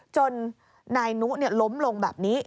จนนายนุล้มลงแบบนี้